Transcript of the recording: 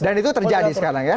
dan itu terjadi sekarang ya